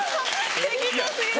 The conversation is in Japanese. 適当過ぎる。